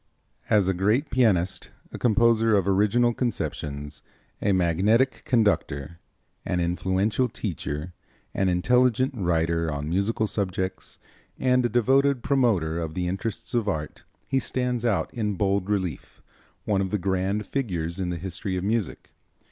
As a great pianist, a composer of original conceptions, a magnetic conductor, an influential teacher, an intelligent writer on musical subjects and a devoted promoter of the interests of art, he stands out in bold relief, one of the grand figures in the history of music.